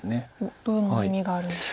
どんな意味があるんでしょうか。